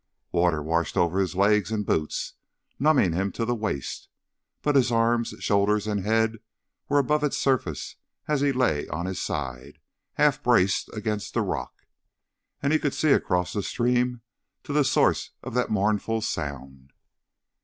Water washed over his legs and boots, numbing him to the waist. But his arms, shoulders, and head were above its surface as he lay on his side, half braced against a rock. And he could see across the stream to the source of that mournful sound.